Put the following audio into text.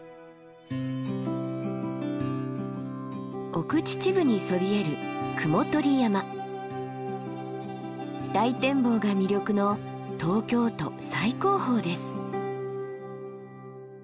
奥秩父にそびえる大展望が魅力の東京都最高峰です。